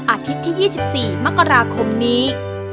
อาทิตย์ที่๒๔มกราคมนี้